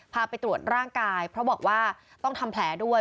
พาไปตรวจร่างกายเพราะบอกว่าต้องทำแผลด้วย